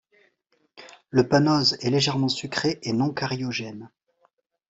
Le panose est légèrement sucré et non cariogène.